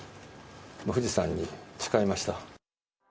富士山に誓いました。